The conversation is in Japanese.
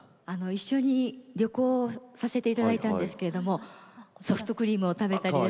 一緒に旅行をさせていただいたんですけれどもソフトクリームを食べたり。